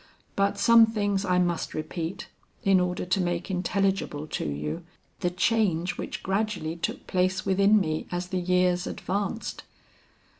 But some things I must repeat in order to make intelligible to you the change which gradually took place within me as the years advanced.